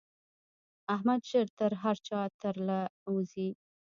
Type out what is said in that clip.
احمد ژر تر هر چا تر له وزي.